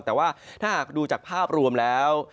แต่ว่าถ้าหากดูจากภาพรวมแล้ว